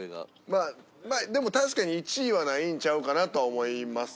まあでも確かに１位はないんちゃうかなとは思いますけどね。